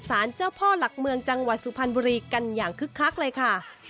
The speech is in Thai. สารเจ้าพ่อหลักเมืองจังหวัดสุพรรณบุรีกันอย่างคึกคักเลยค่ะ